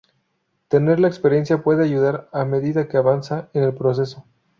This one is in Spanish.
Tener la experiencia puede ayudar a medida que avanzan en el proceso.